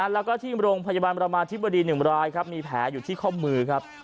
แล้วก็ที่โรงพยาบาลประมาธิบดี๑รายครับมีแผลอยู่ที่ข้อมือครับ